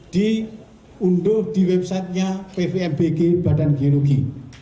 di undur di websitenya pvmbg badan geologi